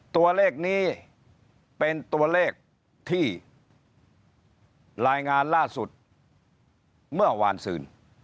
ตัวเลขนี้เป็นตัวเลขที่รายงานล่าสุดเมื่อวานซื่น